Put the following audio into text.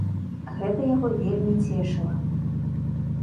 Гэта яго вельмі цешыла.